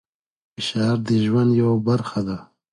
فشار د ژوند یوه برخه ده.